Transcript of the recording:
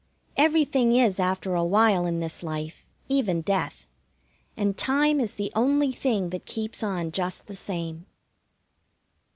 Everything is after a while in this life, even death; and time is the only thing that keeps on just the same.